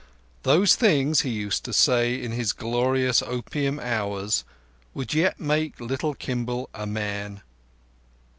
Those things, he was used to say, in his glorious opium hours, would yet make little Kimball a man.